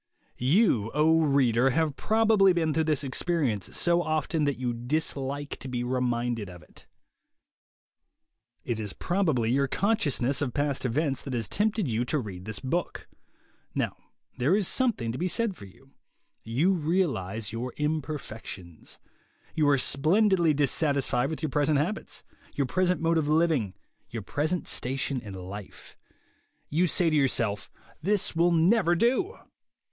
You, O reader, have probably been through this experience, so often that you dislike to be reminded of it. It is probably your consciousness of past events that has tempted you to read this book. Now there is something to be said for you. You realize your imperfections. You are splendidly dissatisfied with your present habits, your present mode of living, your present station in life. You say to yourself, "This will never do."